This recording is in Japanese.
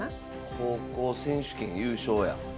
高校選手権優勝や。